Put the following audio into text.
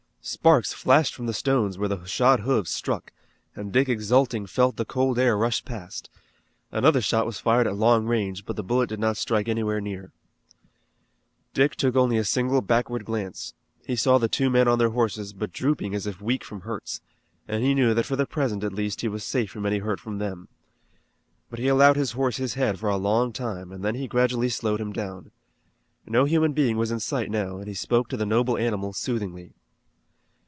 Sparks flashed from the stones where the shod hoofs struck, and Dick exulting felt the cold air rush past. Another shot was fired at long range, but the bullet did not strike anywhere near. Dick took only a single backward glance. He saw the two men on their horses, but drooping as if weak from hurts, and he knew that for the present at least he was safe from any hurt from them. But he allowed his horse his head for a long time, and then he gradually slowed him down. No human being was in sight now and he spoke to the noble animal soothingly.